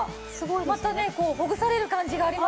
またねこうほぐされる感じがありますね。